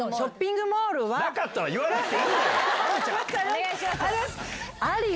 お願いしますよ！